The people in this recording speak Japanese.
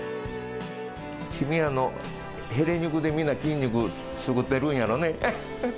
きみやのヘレ肉でみんな筋肉作ってるんやろうね。